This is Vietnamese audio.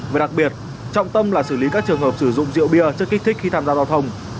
và đặc biệt trọng tâm là xử lý các trường hợp sử dụng rượu bia chất kích thích khi tham gia giao thông